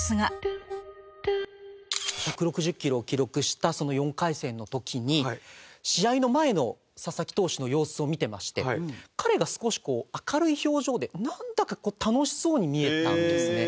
１６０キロを記録したその４回戦の時に試合の前の佐々木投手の様子を見てまして彼が少し明るい表情でなんだか楽しそうに見えたんですね。